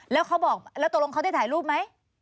แล้วเขาบอกแล้วตกลงเขาได้ถ่ายรูปไหม